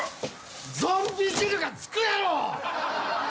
ゾンビ汁がつくやろ！